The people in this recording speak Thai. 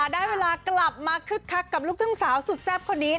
ได้เวลากลับมาคึกคักกับลูกทุ่งสาวสุดแซ่บคนนี้